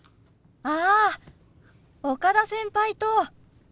ああ岡田先輩と！